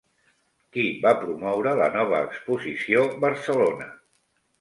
Qui va promoure la nova exposició Barcelona?